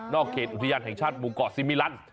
นอกเกตุอุทิยานแห่งชาติบูกเกาะสิมิลัน